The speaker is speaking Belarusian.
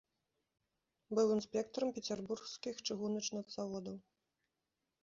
Быў інспектарам пецярбургскіх чыгуначных заводаў.